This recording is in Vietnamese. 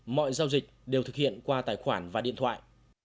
mọi giao dịch đều thực hiện qua tài khoản và điện thoại